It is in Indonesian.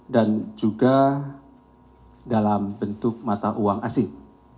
dan juga dalam bentuk mata uang asing